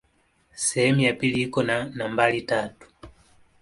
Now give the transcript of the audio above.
Sehemu ya pili iko na nambari tatu.